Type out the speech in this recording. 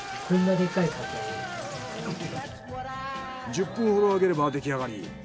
１０分ほど揚げれば出来上がり。